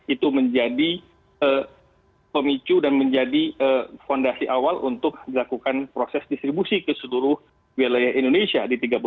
itu menjadi pemicu dan menjadi fondasi awal untuk dilakukan proses distribusi ke seluruh wilayah indonesia